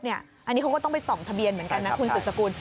อันนี้เขาก็ต้องไปส่องทะเบียนเหมือนกันนะคุณสืบสกุล